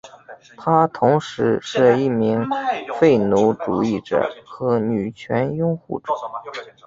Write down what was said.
他同时是一名废奴主义者和女权拥护者。